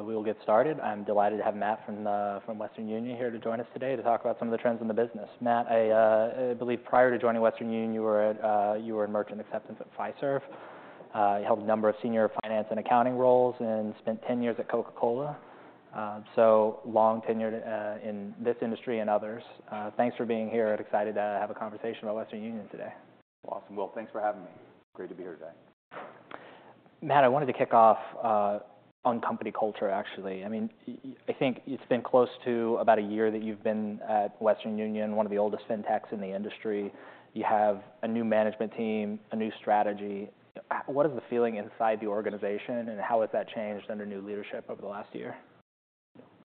All right, so we'll get started. I'm delighted to have Matt from, from Western Union here to join us today to talk about some of the trends in the business. Matt, I, I believe prior to joining Western Union, you were at, you were in merchant acceptance at Fiserv. You held a number of senior finance and accounting roles and spent 10 years at Coca-Cola. So long tenured, in this industry and others. Thanks for being here, and excited to have a conversation about Western Union today. Awesome. Well, thanks for having me. Great to be here today. Matt, I wanted to kick off on company culture, actually. I mean, I think it's been close to about a year that you've been at Western Union, one of the oldest fintechs in the industry. You have a new management team, a new strategy. What is the feeling inside the organization, and how has that changed under new leadership over the last year?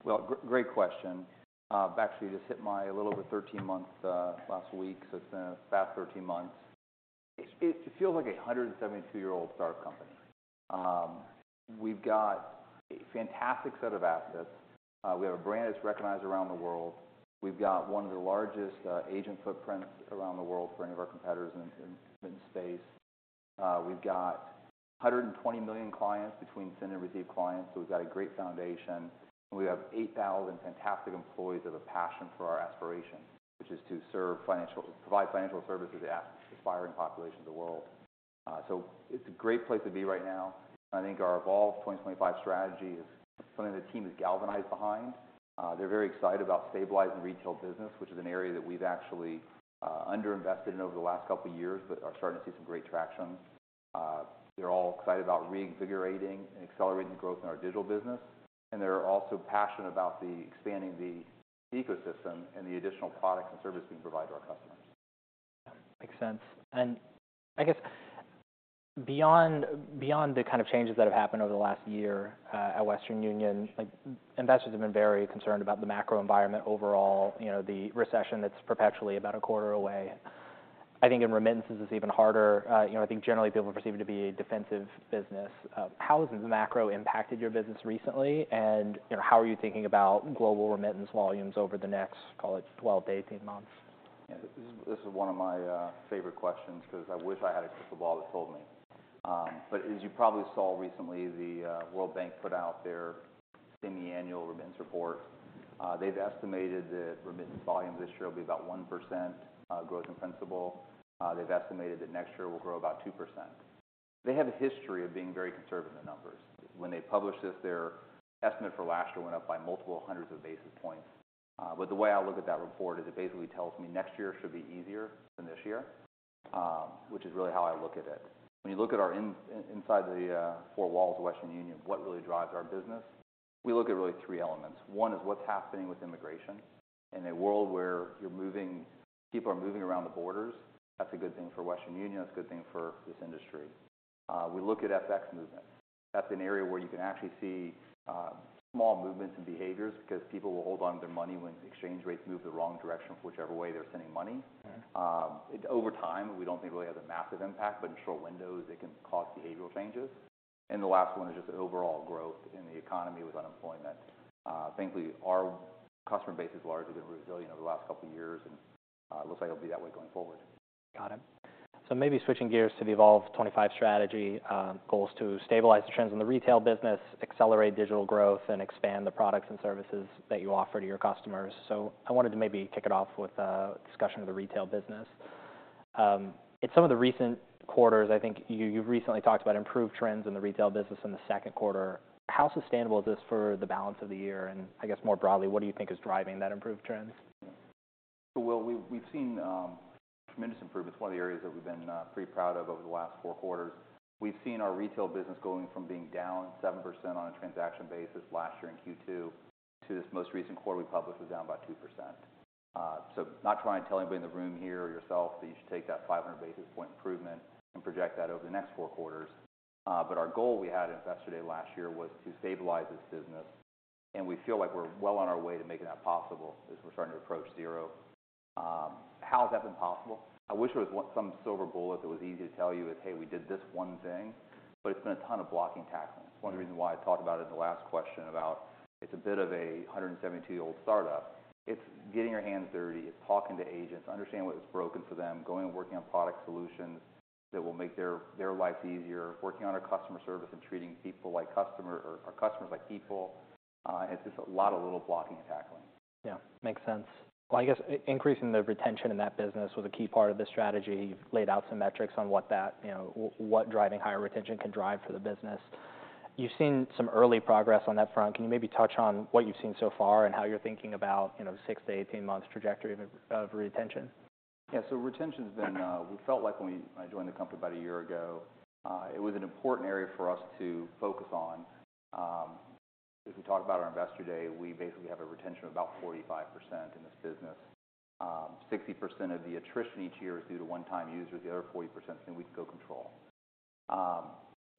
Well, great question. I've actually just hit a little over 13 months last week, so it's been a fast 13 months. It feels like a 172-year-old startup company. We've got a fantastic set of assets. We have a brand that's recognized around the world. We've got one of the largest agent footprints around the world for any of our competitors in the space. We've got 120 million clients between send and receive clients, so we've got a great foundation. We have 8,000 fantastic employees that have a passion for our aspiration, which is to provide financial services to the aspiring population of the world. So it's a great place to be right now, and I think our Evolve 2025 strategy is something the team is galvanized behind. They're very excited about stabilizing the retail business, which is an area that we've actually, underinvested in over the last couple of years, but are starting to see some great traction. They're all excited about reinvigorating and accelerating the growth in our digital business, and they're also passionate about the expanding the ecosystem and the additional products and services we provide to our customers. Makes sense. And I guess beyond, beyond the kind of changes that have happened over the last year, at Western Union, like, investors have been very concerned about the macro environment overall, you know, the recession that's perpetually about a quarter away. I think in remittances, it's even harder. You know, I think generally people perceive it to be a defensive business. How has the macro impacted your business recently, and, you know, how are you thinking about global remittance volumes over the next, call it, 12-18 months? Yeah. This is one of my favorite questions because I wish I had a crystal ball that told me. But as you probably saw recently, the World Bank put out their semiannual remittance report. They've estimated that remittance volume this year will be about 1% growth in principle. They've estimated that next year will grow about 2%. They have a history of being very conservative in numbers. When they published this, their estimate for last year went up by multiple hundreds of basis points. But the way I look at that report is it basically tells me next year should be easier than this year, which is really how I look at it. When you look at our inside the four walls of Western Union, what really drives our business, we look at really three elements. One is what's happening with immigration. In a world where you're moving... people are moving around the borders, that's a good thing for Western Union. It's a good thing for this industry. We look at FX movement. That's an area where you can actually see small movements and behaviors, because people will hold on to their money when exchange rates move the wrong direction from whichever way they're sending money. Over time, we don't think it really has a massive impact, but in short windows, it can cause behavioral changes. The last one is just overall growth in the economy with unemployment. Thankfully, our customer base has largely been resilient over the last couple of years, and it looks like it'll be that way going forward. Got it. So maybe switching gears to the Evolve 2025 strategy, goals to stabilize the trends in the retail business, accelerate digital growth, and expand the products and services that you offer to your customers. So I wanted to maybe kick it off with a discussion of the retail business. In some of the recent quarters, I think you, you've recently talked about improved trends in the retail business in the second quarter. How sustainable is this for the balance of the year? And I guess, more broadly, what do you think is driving that improved trends? So, well, we've seen tremendous improvements, one of the areas that we've been pretty proud of over the last four quarters. We've seen our retail business going from being down 7% on a transaction basis last year in Q2 to this most recent quarter, we published it down by 2%. So not trying to tell anybody in the room here or yourself that you should take that 500 basis point improvement and project that over the next four quarters. But our goal we had in Investor Day last year was to stabilize this business, and we feel like we're well on our way to making that possible, as we're starting to approach zero. How has that been possible? I wish there was some silver bullet that was easy to tell you, "Hey, we did this one thing," but it's been a ton of blocking and tackling. It's one of the reasons why I talked about it in the last question about it's a bit of a 172-year-old startup. It's getting your hands dirty. It's talking to agents, understanding what's broken for them, going and working on product solutions that will make their life easier, working on our customer service and treating people like customers or customers like people. It's just a lot of little blocking and tackling. Yeah, makes sense. Well, I guess increasing the retention in that business was a key part of this strategy. You've laid out some metrics on what that, you know, what driving higher retention can drive for the business. You've seen some early progress on that front. Can you maybe touch on what you've seen so far and how you're thinking about, you know, 6-18 months trajectory of, of retention? Yeah. So retention's been. We felt like I joined the company about a year ago, it was an important area for us to focus on. As we talked about our Investor Day, we basically have a retention of about 45% in this business. 60% of the attrition each year is due to one-time users, the other 40% is something we can go control.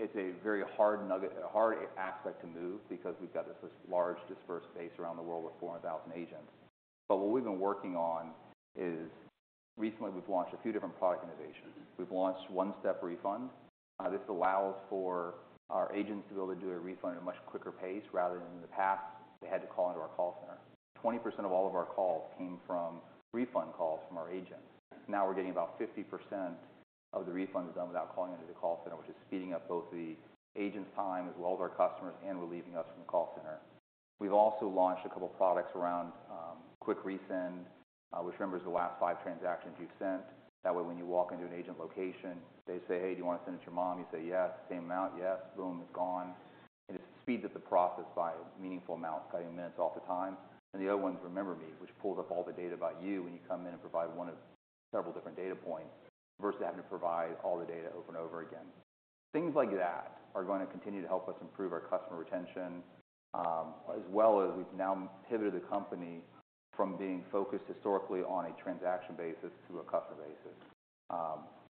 It's a very hard nugget, a hard aspect to move because we've got this large dispersed base around the world with 400,000 agents. But what we've been working on is, recently, we've launched a few different product innovations. We've launched One Step Refund. This allows for our agents to be able to do a refund at a much quicker pace, rather than in the past, they had to call into our call center. 20% of all of our calls came from refund calls from our agents. Now, we're getting about 50% of the refund is done without calling into the call center, which is speeding up both the agent's time, as well as our customers, and relieving us from the call center. We've also launched a couple products around Quick Resend, which remembers the last five transactions you've sent. That way, when you walk into an agent location, they say, "Hey, do you want to send it to your mom?" You say, "Yes." "Same amount?" "Yes." Boom, it's gone, and it speeds up the process by a meaningful amount, cutting minutes off the time. And the other one Remember Me, which pulls up all the data about you when you come in and provide one of several different data points, versus having to provide all the data over and over again. Things like that are going to continue to help us improve our customer retention, as well as we've now pivoted the company from being focused historically on a transaction basis to a customer basis.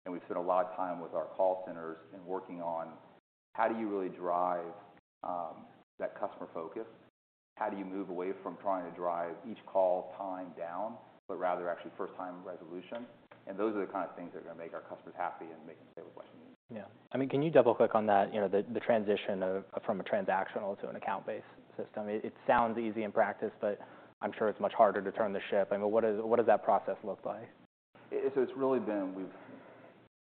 And we've spent a lot of time with our call centers in working on how do you really drive that customer focus? How do you move away from trying to drive each call time down, but rather actually first time resolution? And those are the kinds of things that are going to make our customers happy and make them stay with Western Union. Yeah. I mean, can you double-click on that, you know, the transition from a transactional to an account-based system? It sounds easy in practice, but I'm sure it's much harder to turn the ship. I mean, what does that process look like? So it's really been...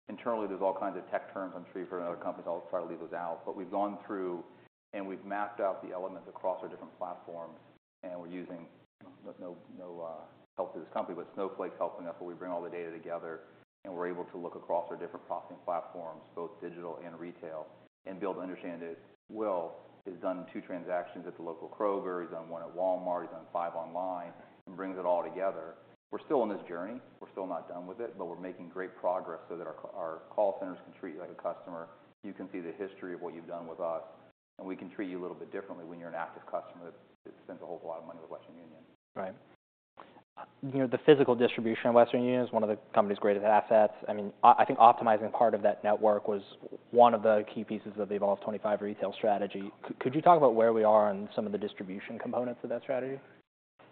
Internally, there's all kinds of tech terms, I'm sure, from other companies. I'll try to leave those out. But we've gone through and we've mapped out the elements across our different platforms, and we're using, no, no, help to this company, but Snowflake's helping us, where we bring all the data together and we're able to look across our different pricing platforms, both digital and retail, and be able to understand that, Will has done two transactions at the local Kroger, he's done one at Walmart, he's done five online, and brings it all together. We're still on this journey. We're still not done with it, but we're making great progress so that our call centers can treat you like a customer. You can see the history of what you've done with us, and we can treat you a little bit differently when you're an active customer that spends a whole lot of money with Western Union. Right. You know, the physical distribution of Western Union is one of the company's greatest assets. I mean, I think optimizing part of that network was one of the key pieces of the Evolve 2025 retail strategy. Could you talk about where we are in some of the distribution components of that strategy?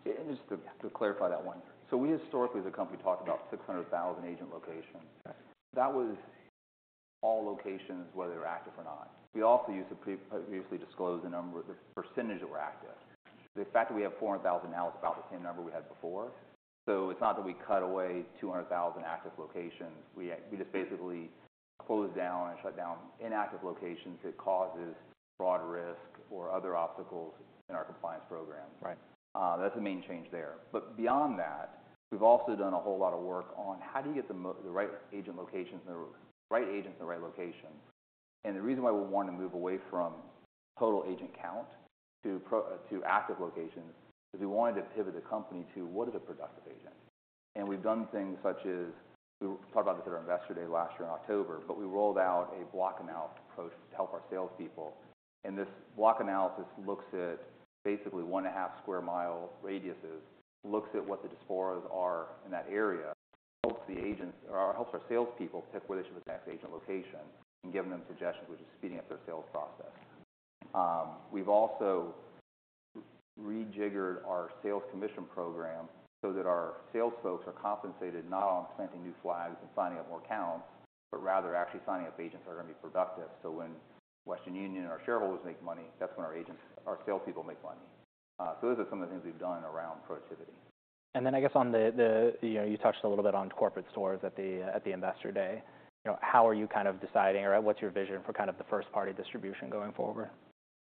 Yeah, and just to clarify that one. So we historically, as a company, talked about 600,000 agent locations. Right. That was all locations, whether they were active or not. We also used to previously disclose the number, the percentage that were active. The fact that we have 400,000 now is about the same number we had before. So it's not that we cut away 200,000 active locations, we just basically closed down and shut down inactive locations that causes broad risk or other obstacles in our compliance program. Right. That's the main change there. But beyond that, we've also done a whole lot of work on how do you get the right agent locations in the right agents in the right locations? And the reason why we're wanting to move away from total agent count to active locations is we wanted to pivot the company to what is a productive agent? And we've done things such as, we talked about this at our Investor Day last year in October, but we rolled out a block analysis approach to help our salespeople. And this block analysis looks at basically 1.5 sq mi radiuses, looks at what the diasporas are in that area, helps the agents, or helps our salespeople pick where they should be the next agent location and giving them suggestions, which is speeding up their sales process. We've also rejiggered our sales commission program so that our sales folks are compensated not on planting new flags and signing up more accounts, but rather actually signing up agents that are going to be productive. So when Western Union and our shareholders make money, that's when our agents, our sales people make money. So those are some of the things we've done around productivity. And then I guess on the you know, you touched a little bit on corporate stores at the Investor Day. You know, how are you kind of deciding or what's your vision for kind of the first-party distribution going forward?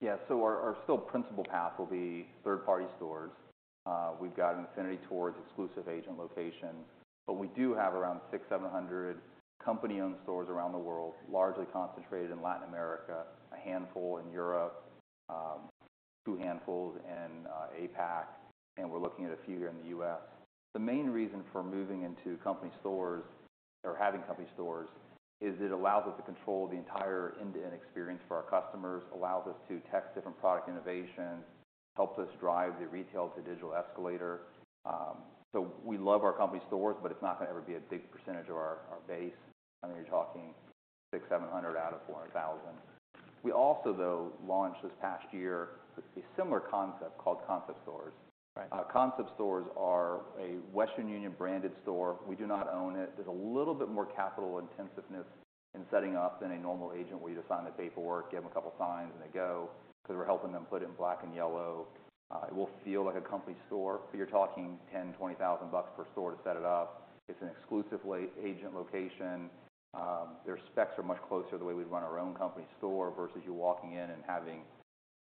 Yeah. So our still principal path will be third-party stores. We've got an affinity towards exclusive agent locations, but we do have around 600-700 company-owned stores around the world, largely concentrated in Latin America, a handful in Europe, two handfuls in APAC, and we're looking at a few here in the U.S. The main reason for moving into company stores, or having company stores, is it allows us to control the entire end-to-end experience for our customers, allows us to test different product innovations, helps us drive the retail-to-digital escalator. So we love our company stores, but it's not going to ever be a big percentage of our base. I mean, you're talking 600-700 out of 400,000. We also, though, launched this past year a similar concept called concept stores. Right. Concept stores are a Western Union-branded store. We do not own it. There's a little bit more capital intensiveness in setting up than a normal agent, where you just sign the paperwork, give them a couple signs, and they go, because we're helping them put in black and yellow. It will feel like a company store, but you're talking $10,000-$20,000 per store to set it up. It's an exclusive agent location. Their specs are much closer to the way we run our own company store versus you walking in and having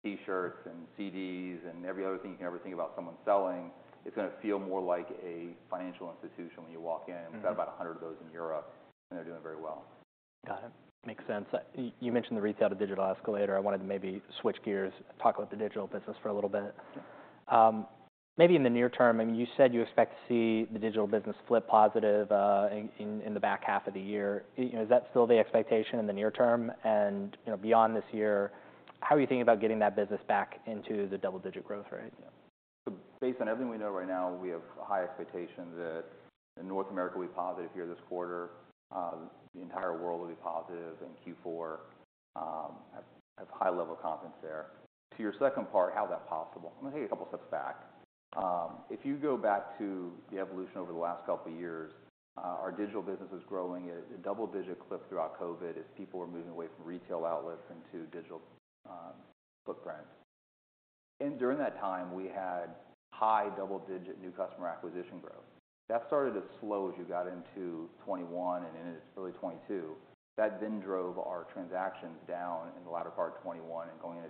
T-shirts and CDs and every other thing you can ever think about someone selling. It's gonna feel more like a financial institution when you walk in. We've got about 100 of those in Europe, and they're doing very well. Got it. Makes sense. You, you mentioned the retail to digital escalator. I wanted to maybe switch gears and talk about the digital business for a little bit. Sure. Maybe in the near term, I mean, you said you expect to see the digital business flip positive, in the back half of the year. You know, is that still the expectation in the near term? And, you know, beyond this year, how are you thinking about getting that business back into the double-digit growth rate? Based on everything we know right now, we have high expectations that in North America, we'll be positive here this quarter. The entire world will be positive in Q4. I have high level confidence there. To your second part, how is that possible? I'm going to take a couple steps back. If you go back to the evolution over the last couple of years, our digital business was growing at a double-digit clip throughout COVID, as people were moving away from retail outlets into digital footprints, and during that time, we had high double-digit new customer acquisition growth. That started to slow as you got into 2021 and into early 2022. That then drove our transactions down in the latter part of 2021 and going into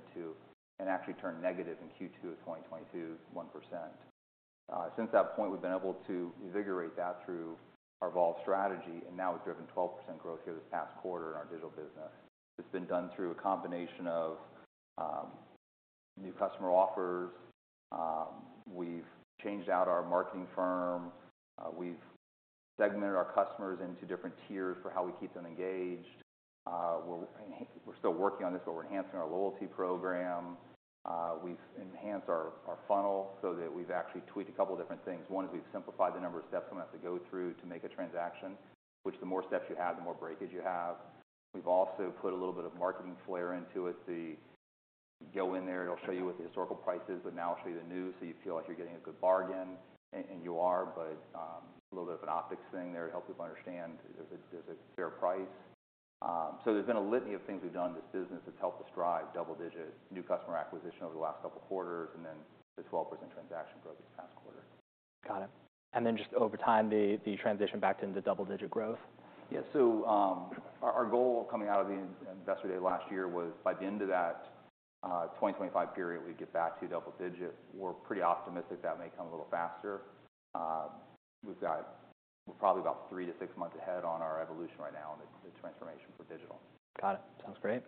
2022, and actually turned negative in Q2 of 2022, 1%. Since that point, we've been able to invigorate that through our Evolve strategy, and now we've driven 12% growth through this past quarter in our digital business. It's been done through a combination of new customer offers. We've changed out our marketing firm. We've segmented our customers into different tiers for how we keep them engaged. We're still working on this, but we're enhancing our loyalty program. We've enhanced our funnel so that we've actually tweaked a couple of different things. One is we've simplified the number of steps we have to go through to make a transaction, which the more steps you have, the more breakage you have. We've also put a little bit of marketing flair into it. Go in there, it'll show you what the historical price is, but now it'll show you the new, so you feel like you're getting a good bargain. And you are, but a little bit of an optics thing there to help people understand there's a fair price. So there's been a litany of things we've done in this business that's helped us drive double-digit new customer acquisition over the last couple of quarters, and then the 12% transaction growth this past quarter. Got it. And then just over time, the transition back into double-digit growth? Yeah. So, our goal coming out of the Investor Day last year was by the end of that 2025 period, we'd get back to double digits. We're pretty optimistic that may come a little faster. We've got probably about three to six months ahead on our evolution right now and the transformation for digital. Got it. Sounds great.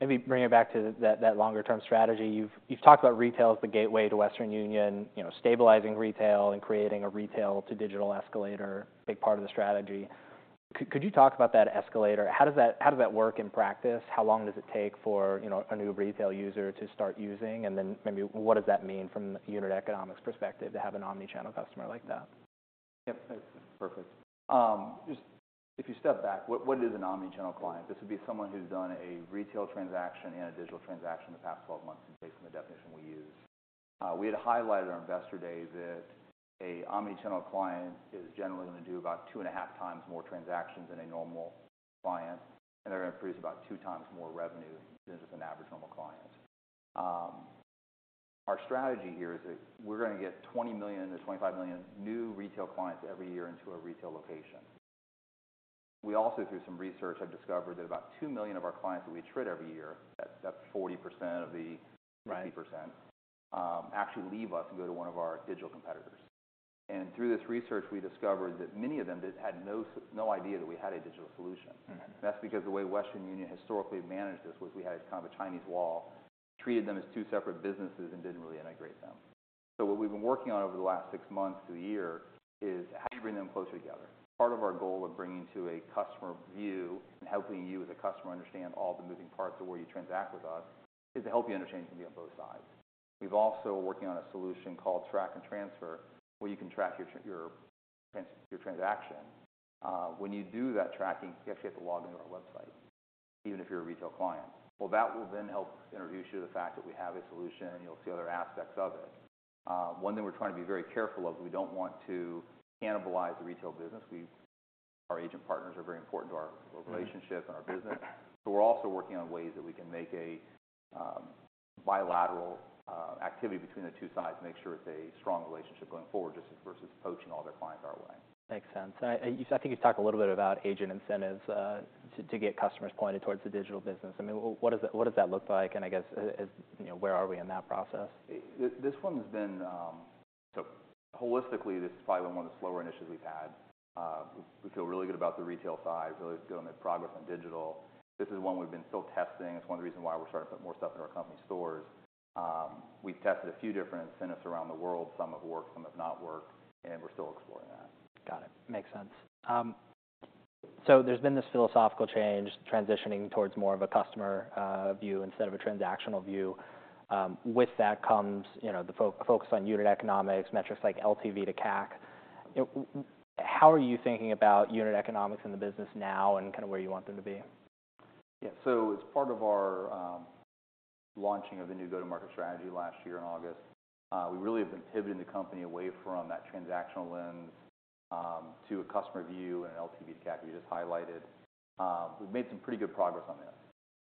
Maybe bringing it back to that longer-term strategy. You've talked about retail as the gateway to Western Union, you know, stabilizing retail and creating a retail-to-digital escalator, a big part of the strategy. Could you talk about that escalator? How does that work in practice? How long does it take for, you know, a new retail user to start using, and then maybe what does that mean from a unit economics perspective to have an omni-channel customer like that? Yep. Perfect. Just if you step back, what is an omni-channel client? This would be someone who's done a retail transaction and a digital transaction in the past 12 months, and based on the definition we use. We had highlighted our Investor Day that a omni-channel client is generally gonna do about 2.5x more transactions than a normal client, and they're gonna produce about two times more revenue than just an average normal client. Our strategy here is that we're gonna get 20 million-25 million new retail clients every year into a retail location. We also, through some research, have discovered that about two million of our clients that we attrit every year, that's 40% of the 50%, actually leave us and go to one of our digital competitors. Through this research, we discovered that many of them just had no idea that we had a digital solution. That's because the way Western Union historically managed this was we had kind of a Chinese wall, treated them as two separate businesses and didn't really integrate them. So what we've been working on over the last six months to a year is how do you bring them closer together? Part of our goal of bringing to a customer view and helping you as a customer understand all the moving parts of where you transact with us, is to help you understand from the both sides. We've also working on a solution called Track and Transfer, where you can track your transaction. When you do that tracking, you actually have to log in to our website, even if you're a retail client. Well, that will then help introduce you to the fact that we have a solution and you'll see other aspects of it. One thing we're trying to be very careful of, we don't want to cannibalize the retail business. Our agent partners are very important to our relationship and our business. So we're also working on ways that we can make a bilateral activity between the two sides to make sure it's a strong relationship going forward, just versus poaching all their clients our way. Makes sense. I think you've talked a little bit about agent incentives to get customers pointed towards the digital business. I mean, what does that look like? And I guess, you know, where are we in that process? This one has been, so holistically, this is probably one of the slower initiatives we've had. We feel really good about the retail side, really feeling the progress on digital. This is one we've been still testing. It's one of the reasons why we're starting to put more stuff in our company stores. We've tested a few different incentives around the world. Some have worked, some have not worked, and we're still exploring that. Got it. Makes sense. So there's been this philosophical change, transitioning towards more of a customer view instead of a transactional view. With that comes, you know, the focus on unit economics, metrics like LTV to CAC. How are you thinking about unit economics in the business now and kind of where you want them to be? Yeah. So as part of our launching of the new go-to-market strategy last year in August, we really have been pivoting the company away from that transactional lens to a customer view and an LTV to CAC, we just highlighted. We've made some pretty good progress on that.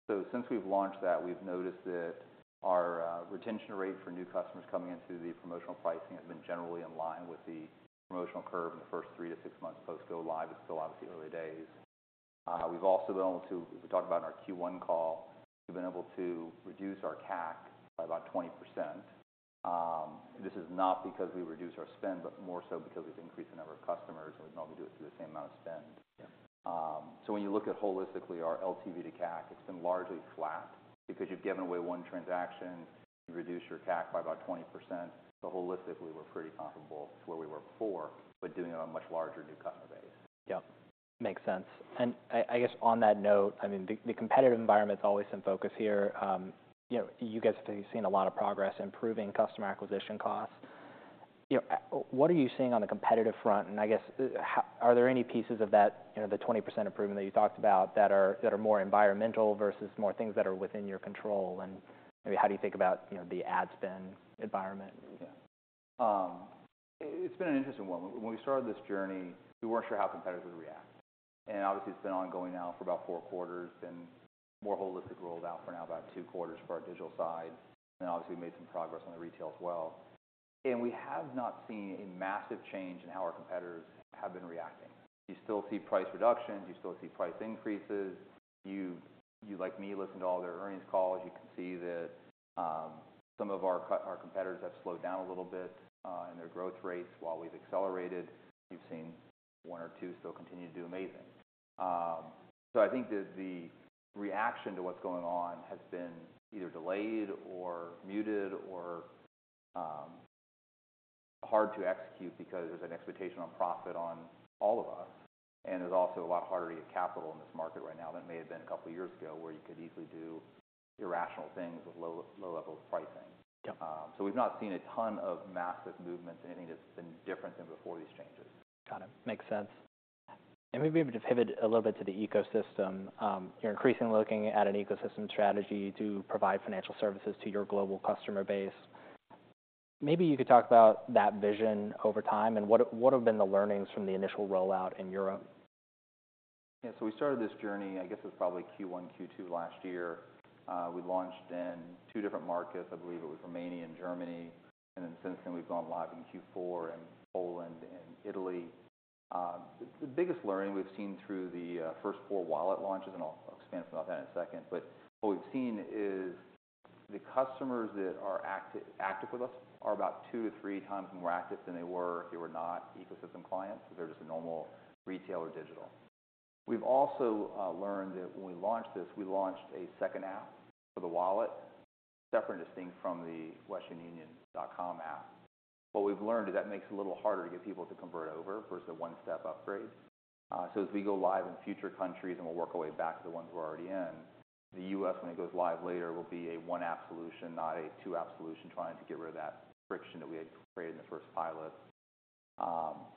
So since we've launched that, we've noticed that our retention rate for new customers coming into the promotional pricing has been generally in line with the promotional curve in the first three to six months. Post go live, it's still obviously early days. We've also been able to, we talked about in our Q1 call, we've been able to reduce our CAC by about 20%. This is not because we reduced our spend, but more so because we've increased the number of customers, and we can only do it through the same amount of spend. Yeah. When you look at holistically our LTV to CAC, it's been largely flat because you've given away one transaction, you've reduced your CAC by about 20%, but holistically, we're pretty comparable to where we were before, but doing it on a much larger new customer base. Yep. Makes sense. I guess on that note, I mean, the competitive environment's always in focus here. You know, you guys have seen a lot of progress improving customer acquisition costs. You know, what are you seeing on the competitive front? And I guess, how are there any pieces of that, you know, the 20% improvement that you talked about that are more environmental versus more things that are within your control? And maybe how do you think about, you know, the ad spend environment? Yeah. It's been an interesting one. When we started this journey, we weren't sure how competitors would react and obviously, it's been ongoing now for about four quarters, and more holistic rolled out for now about two quarters for our digital side, and obviously made some progress on the retail as well. And we have not seen a massive change in how our competitors have been reacting. You still see price reductions, you still see price increases. You, like me, listen to all their earnings calls. You can see that, some of our competitors have slowed down a little bit, in their growth rates while we've accelerated. We've seen one or two still continue to do amazing. I think that the reaction to what's going on has been either delayed or muted or hard to execute because there's an expectation on profit on all of us, and it's also a lot harder to get capital in this market right now than it may have been a couple of years ago, where you could easily do irrational things with low, low level of pricing. Yep. So, we've not seen a ton of massive movements, anything that's been different than before these changes. Got it. Makes sense. And maybe we have to pivot a little bit to the ecosystem. You're increasingly looking at an ecosystem strategy to provide financial services to your global customer base. Maybe you could talk about that vision over time, and what have been the learnings from the initial rollout in Europe? Yeah. So we started this journey, I guess, it was probably Q1, Q2 last year. We launched in two different markets. I believe it was Romania and Germany, and then since then, we've gone live in Q4, in Poland and Italy. The biggest learning we've seen through the first four wallet launches, and I'll expand about that in a second, but what we've seen is the customers that are active with us are about two to three times more active than they were if they were not ecosystem clients. They're just a normal retail or digital. We've also learned that when we launched this, we launched a second app for the wallet, separate and distinct from the westernunion.com app. What we've learned is that makes it a little harder to get people to convert over versus a one-step upgrade. So as we go live in future countries and we'll work our way back to the ones we're already in, the US, when it goes live later, will be a one-app solution, not a two-app solution, trying to get rid of that friction that we had created in the first pilot.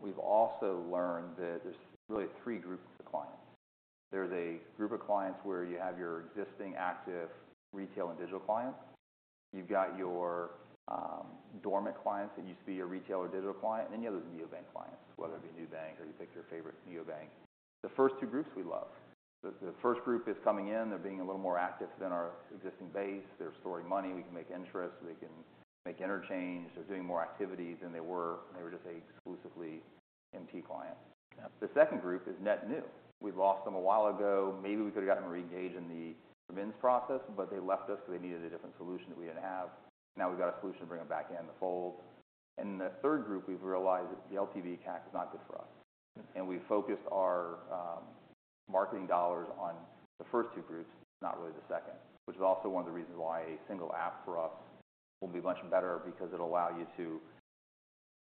We've also learned that there's really three groups of clients. There's a group of clients where you have your existing active retail and digital clients. You've got your dormant clients that used to be a retail or digital client, and then you have the neobank clients, whether it be Nubank or you pick your favorite neobank. The first two groups we love. The first group is coming in. They're being a little more active than our existing base. They're storing money. We can make interest, so they can make interchange. They're doing more activities than they were when they were just a exclusively MT Cliente. Yeah. The second group is net new. We lost them a while ago. Maybe we could have gotten them reengaged in the remittance process, but they left us because they needed a different solution that we didn't have. Now, we've got a solution to bring them back in the fold. The third group, we've realized that the LTV CAC is not good for us, and we focused our marketing dollars on the first two groups, not really the second, which is also one of the reasons why a single app for us will be much better because it'll allow you to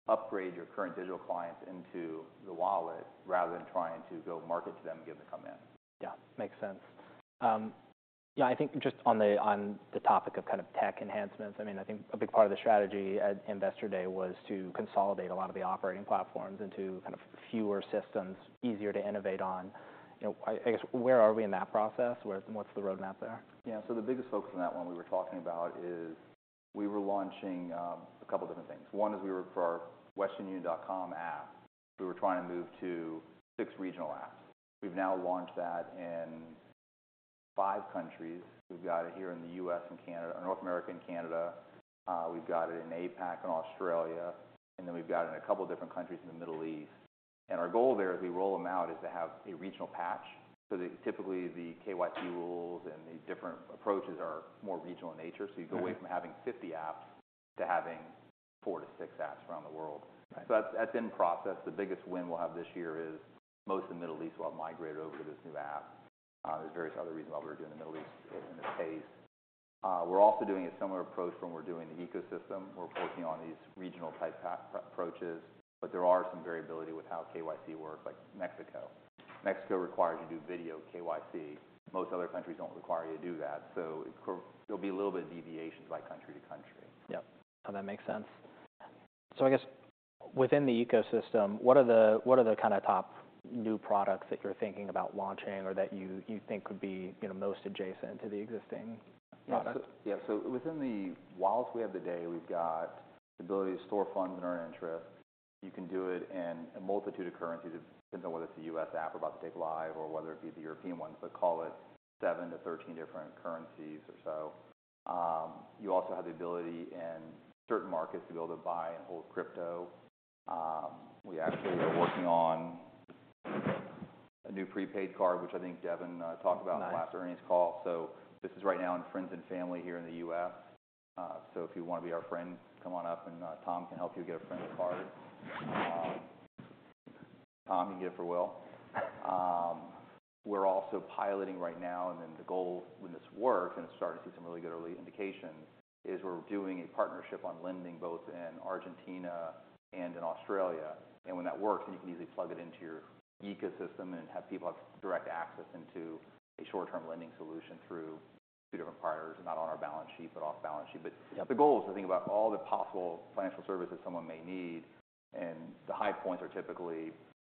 upgrade your current digital clients into the wallet rather than trying to go market to them and get them to come in. Yeah, makes sense. Yeah, I think just on the topic of kind of tech enhancements, I mean, I think a big part of the strategy at Investor Day was to consolidate a lot of the operating platforms into kind of fewer systems, easier to innovate on. You know, I guess, where are we in that process? Where, what's the roadmap there? Yeah. So the biggest focus on that one we were talking about is we were launching a couple of different things. One is we were, for our westernunion.com app, we were trying to move to six regional apps. We've now launched that in five countries. We've got it here in the U.S. and Canada, North America and Canada. We've got it in APAC and Australia, and then we've got it in a couple of different countries in the Middle East. And our goal there, as we roll them out, is to have a regional patch, so that typically the KYC rules and the different approaches are more regional in nature. You go away from having 50 apps to having four to six apps around the world. Right. So that's, that's in process. The biggest win we'll have this year is most of the Middle East will have migrated over to this new app. There's various other reasons why we're doing the Middle East in this pace. We're also doing a similar approach when we're doing the ecosystem. We're focusing on these regional-type app approaches, but there are some variability with how KYC works, like Mexico. Mexico requires you to do video KYC. Most other countries don't require you to do that, so it'll, there'll be a little bit of deviations by country to country. Yep. So that makes sense. So I guess within the ecosystem, what are the kind of top new products that you're thinking about launching or that you think could be, you know, most adjacent to the existing products? Yeah. So within the wallets we have today, we've got the ability to store funds and earn interest. You can do it in a multitude of currencies, depending on whether it's a U.S. app we're about to take live or whether it be the European ones, but call it 7-13 different currencies or so. You also have the ability in certain markets to be able to buy and hold crypto. We actually are working on a new prepaid card, which I think Devin talked about on the last earnings call. So this is right now in friends and family here in the U.S. So if you want to be our friend, come on up, and Tom can help you get a friend card. Tom, you get it for Will. We're also piloting right now, and then the goal, when this works, and we're starting to see some really good early indications, is we're doing a partnership on lending, both in Argentina and in Australia. And when that works, you can easily plug it into your ecosystem and have people have direct access into a short-term lending solution through two different partners, not on our balance sheet, but off balance sheet. Yeah. The goal is to think about all the possible financial services someone may need, and the high points are typically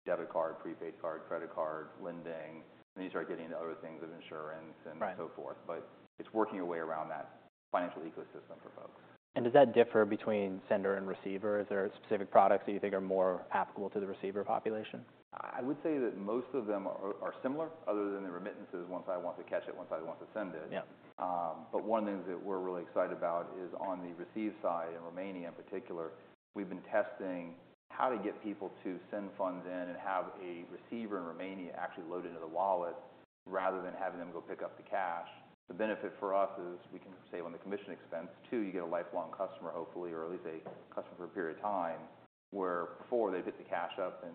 debit card, prepaid card, credit card, lending. Then you start getting into other things of insurance and so forth, but it's working your way around that financial ecosystem for folks. Does that differ between sender and receiver? Is there specific products that you think are more applicable to the receiver population? I would say that most of them are similar, other than the remittances, one side wants to catch it, one side wants to send it. Yeah. But one thing that we're really excited about is on the receive side, in Romania in particular, we've been testing how to get people to send funds in and have a receiver in Romania actually load into the wallet rather than having them go pick up the cash. The benefit for us is we can save on the commission expense. Two, you get a lifelong customer, hopefully, or at least a customer for a period of time, where before they picked the cash up and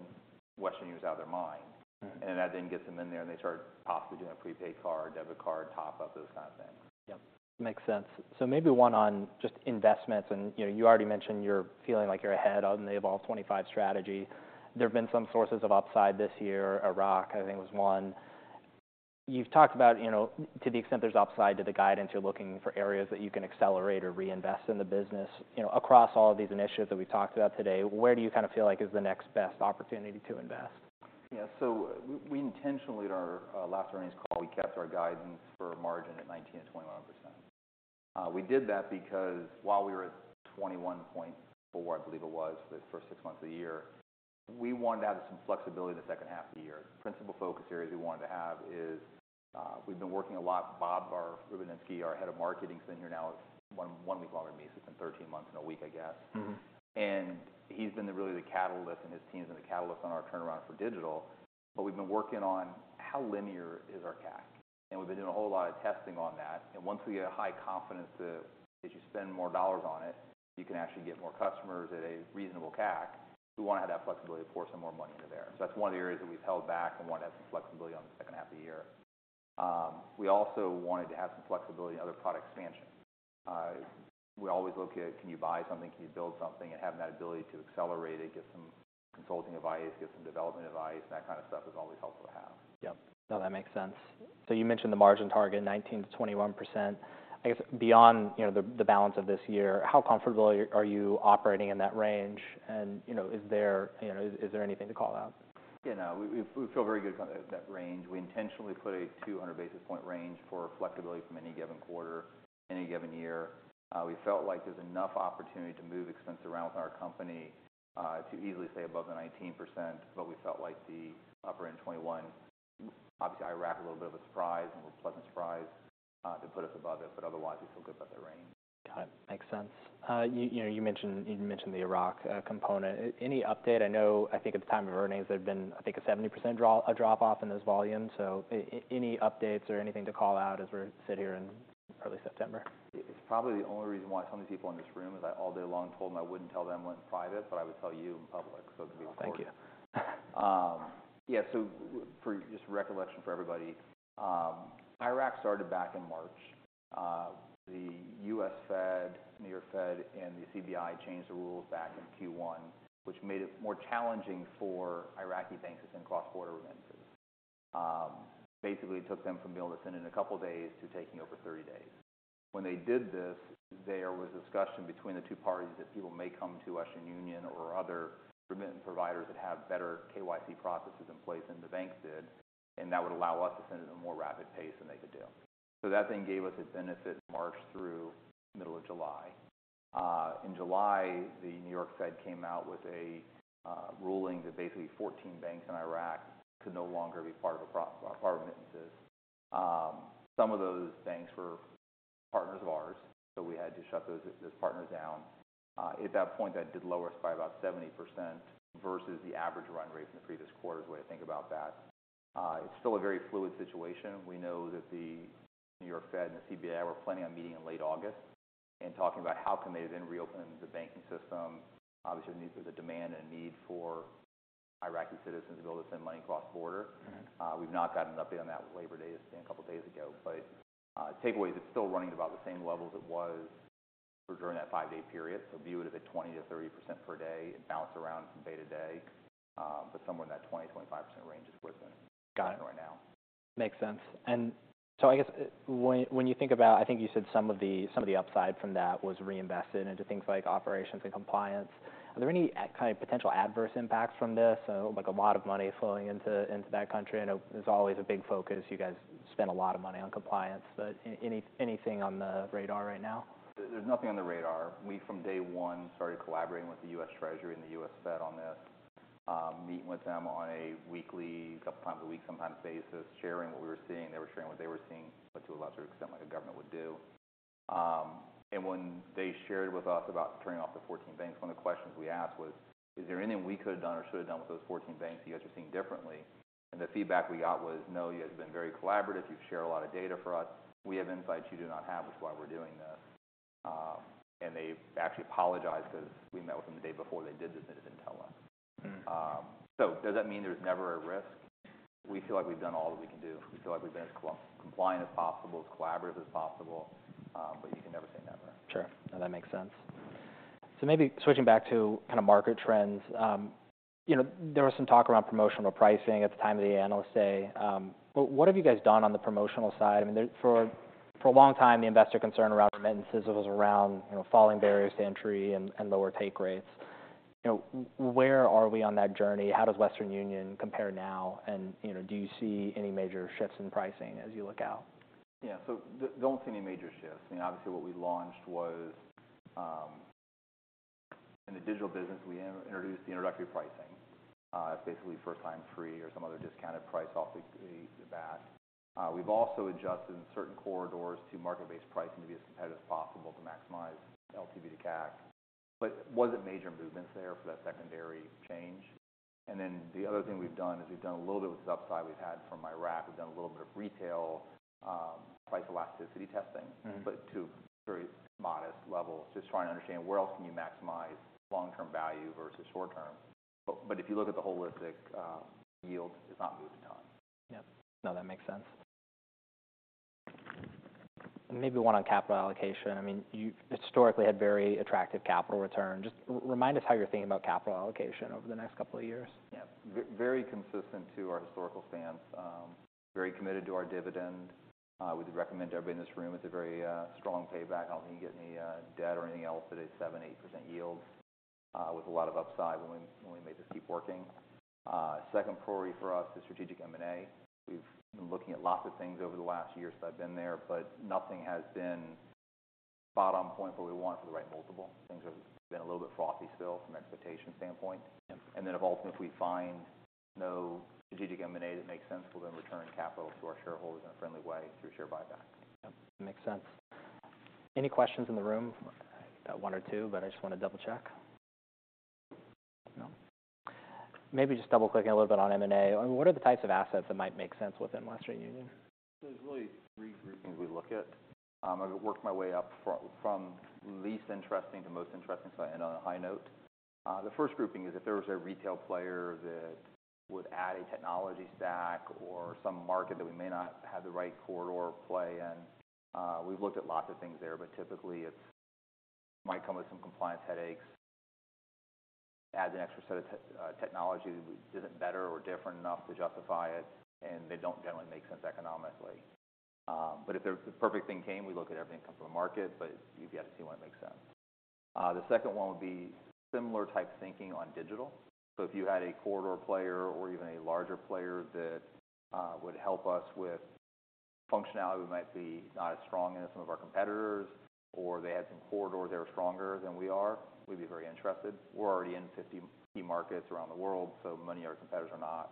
Western Union's out of their mind. That then gets them in there, and they start possibly doing a prepaid card, debit card, top up, those kind of things. Yep, makes sense. So maybe one on just investments and, you know, you already mentioned you're feeling like you're ahead on the Evolve 2025 strategy. There have been some sources of upside this year. Iraq, I think, was one. You've talked about, you know, to the extent there's upside to the guidance, you're looking for areas that you can accelerate or reinvest in the business. You know, across all of these initiatives that we've talked about today, where do you kind of feel like is the next best opportunity to invest? Yeah. So we intentionally, at our last earnings call, we kept our guidance for margin at 19%-21%. We did that because while we were at 21.4, I believe it was, for the first six months of the year, we wanted to have some flexibility in the second half of the year. Principal focus areas we wanted to have is we've been working a lot, Bob Rupczynski, our head of marketing, has been here now one week longer than me, so it's been 13 months in a week, I guess. He's been really the catalyst, and his team has been the catalyst on our turnaround for digital. But we've been working on how linear is our CAC, and we've been doing a whole lot of testing on that. And once we get a high confidence that as you spend more dollars on it, you can actually get more customers at a reasonable CAC, we wanna have that flexibility to pour some more money into there. So that's one of the areas that we've held back and want to have some flexibility on the second half of the year. We also wanted to have some flexibility in other product expansion. We always look at, can you buy something? Can you build something? And having that ability to accelerate it, get some consulting advice, get some development advice, and that kind of stuff is always helpful to have. Yep. No, that makes sense. So you mentioned the margin target, 19%-21%. I guess beyond, you know, the, the balance of this year, how comfortable are you operating in that range? And, you know, is there, you know, is there anything to call out? Yeah, no, we, we feel very good about that range. We intentionally put a 200 basis point range for flexibility from any given quarter, any given year. We felt like there's enough opportunity to move expense around with our company, to easily stay above the 19%, but we felt like the upper end 21. Obviously, Iraq a little bit of a surprise, and a pleasant surprise, to put us above it, but otherwise, we feel good about the range. Got it. Makes sense. You know, you mentioned the Iraq component. Any update? I know, I think at the time of earnings, there had been, I think, a 70% drop-off in those volumes. So any updates or anything to call out as we're sitting here in early September? It's probably the only reason why so many people in this room is, I all day long told them I wouldn't tell them what's private, but I would tell you in public, so it's gonna be important. Thank you. Yeah, so for just recollection for everybody, Iraq started back in March. The U.S. Fed, New York Fed, and the CBI changed the rules back in Q1, which made it more challenging for Iraqi banks to send cross-border remittances. Basically, it took them from being able to send it in a couple of days to taking over 30 days. When they did this, there was discussion between the two parties that people may come to Western Union or other remittance providers that have better KYC processes in place than the banks did, and that would allow us to send it at a more rapid pace than they could do. So that then gave us a benefit March through middle of July. In July, the New York Fed came out with a ruling that basically 14 banks in Iraq could no longer be part of remittances. Some of those banks were partners of ours, so we had to shut those partners down. At that point, that did lower us by about 70% versus the average run rate from the previous quarter, is the way to think about that. It's still a very fluid situation. We know that the New York Fed and the CBI were planning on meeting in late August and talking about how can they then reopen the banking system. Obviously, there's a demand and need for Iraqi citizens to be able to send money across the border. We've not gotten an update on that with Labor Day a couple of days ago. But, takeaway is it's still running at about the same level as it was for during that five-day period. So view it as a 20%-30% per day. It bounced around from day to day, but somewhere in that 20%-25% range is what it's in right now. Makes sense. And so I guess when you think about, I think you said some of the, some of the upside from that was reinvested into things like operations and compliance. Are there any kind of potential adverse impacts from this? So, like, a lot of money flowing into, into that country. I know there's always a big focus. You guys spend a lot of money on compliance, but anything on the radar right now? There, there's nothing on the radar. We, from day one, started collaborating with the U.S. Treasury and the U.S. Fed on this, meeting with them on a weekly, couple times a week, sometimes daily basis, sharing what we were seeing. They were sharing what they were seeing, but to a lesser extent, like a government would do. And when they shared with us about turning off the 14 banks, one of the questions we asked was: "Is there anything we could have done or should have done with those 14 banks you guys are seeing differently?" And the feedback we got was: "No, you have been very collaborative. You've shared a lot of data for us. We have insights you do not have, which is why we're doing this." They actually apologized because we met with them the day before they did this, and they didn't tell us. So does that mean there's never a risk? We feel like we've done all that we can do. We feel like we've been as compliant as possible, as collaborative as possible, but you can never say never. Sure. No, that makes sense. So maybe switching back to kinda market trends. You know, there was some talk around promotional pricing at the time of the analyst day. But what have you guys done on the promotional side? I mean, there for a long time, the investor concern around remittances was around, you know, falling barriers to entry and lower take rates. You know, where are we on that journey? How does Western Union compare now? And, you know, do you see any major shifts in pricing as you look out? Yeah. So don't see any major shifts. I mean, obviously, what we launched was, in the digital business, we introduced the introductory pricing. It's basically first time free or some other discounted price off the back. We've also adjusted in certain corridors to market-based pricing to be as competitive as possible to maximize LTV to CAC. But it wasn't major movements there for that secondary change. And then the other thing we've done is we've done a little bit with the upside we've had from Iraq. We've done a little bit of retail price elasticity testing but to very modest levels, just trying to understand where else can you maximize long-term value versus short term. But, but if you look at the holistic, yield, it's not moved a ton. Yep. No, that makes sense. Maybe one on capital allocation. I mean, you've historically had very attractive capital returns. Just remind us how you're thinking about capital allocation over the next couple of years. Yep. Very consistent to our historical stance. Very committed to our dividend. We'd recommend everybody in this room; it's a very strong payback. I don't need to get any debt or anything else at a 7%-8% yield, with a lot of upside when we, when we make this keep working. Second priority for us is strategic M&A. We've been looking at lots of things over the last year since I've been there, but nothing has been bottom point where we want it for the right multiple. Things have been a little bit frothy still from an expectation standpoint. Yep. And then if, ultimately, we find no strategic M&A that makes sense, we'll then return capital to our shareholders in a friendly way through share buyback. Yep. Makes sense. Any questions in the room? I got one or two, but I just wanna double-check. No. Maybe just double-clicking a little bit on M&A. What are the types of assets that might make sense within Western Union? So there's really three groupings we look at. I've worked my way up from least interesting to most interesting, so I end on a high note. The first grouping is if there was a retail player that would add a technology stack or some market that we may not have the right corridor play in. We've looked at lots of things there, but typically it might come with some compliance headaches, adds an extra set of technology that isn't better or different enough to justify it, and they don't generally make sense economically. But if the perfect thing came, we look at everything that comes from the market, but you've got to see when it makes sense. The second one would be similar type thinking on digital. So if you had a corridor player or even a larger player that would help us with functionality, we might be not as strong as some of our competitors, or they had some corridors that are stronger than we are, we'd be very interested. We're already in 50 key markets around the world, so many of our competitors are not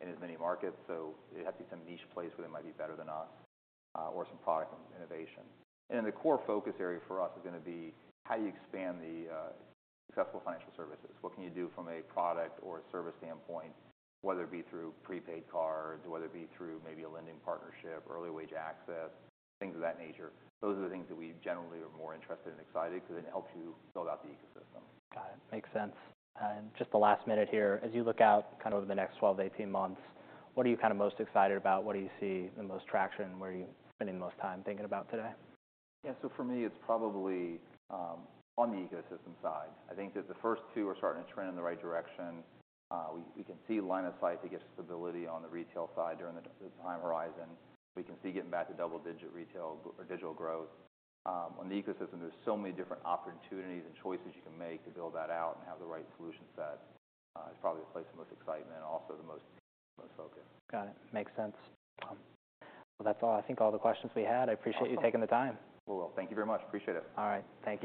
in as many markets, so it'd have to be some niche place where they might be better than us, or some product innovation. And the core focus area for us is gonna be how you expand the successful financial services. What can you do from a product or service standpoint, whether it be through prepaid cards, whether it be through maybe a lending partnership, early wage access, things of that nature. Those are the things that we generally are more interested and excited, because it helps you build out the ecosystem. Got it. Makes sense. And just the last minute here, as you look out kind of over the next 12-18 months, what are you kind of most excited about? What do you see the most traction? Where are you spending the most time thinking about today? Yeah. So for me, it's probably on the ecosystem side. I think that the first two are starting to trend in the right direction. We can see line of sight to get stability on the retail side during the time horizon. We can see getting back to double digit retail or digital growth. On the ecosystem, there's so many different opportunities and choices you can make to build that out and have the right solution set. It's probably the place with most excitement and also the most focus. Got it. Makes sense. Well, that's all. I think all the questions we had. Awesome. I appreciate you taking the time. Well, thank you very much. Appreciate it. All right. Thanks.